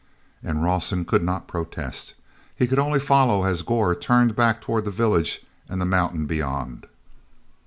And Rawson could not protest. He could only follow as Gor turned back toward the village and the mountain beyond.